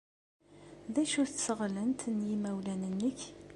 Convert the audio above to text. D acu-tt teɣlent n yimawlan-nnek?